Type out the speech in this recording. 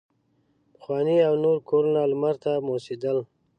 پخواني او نوي کورونه لمر ته موسېدل.